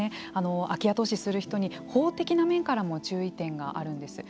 空き家投資をする人に法的な面からも注意点があるんです。